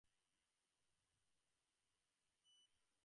ক্ষেমংকরী কহিলেন, আজ আপনার মেয়ে দেখিয়া আশীর্বাদ করিয়া যাইব, তাই আসিয়াছি।